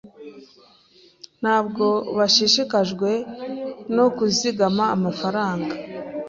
Ntabwo bashishikajwe no kuzigama amafaranga.